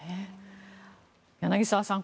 柳澤さん